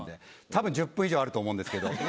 多分１０分以上あると思うんですけど。